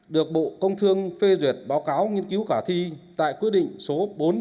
được bộ công thương phê duyệt báo cáo nghiên cứu cả thi tại quyết định số bốn hai trăm chín mươi năm